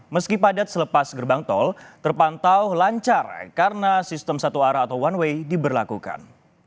meski padat selepas gerbang tol terpantau lancar karena sistem satu arah atau one way diberlakukan